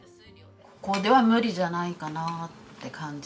ここでは無理じゃないかなって感じて。